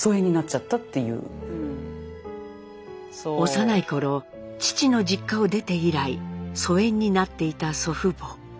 幼い頃父の実家を出て以来疎遠になっていた祖父母。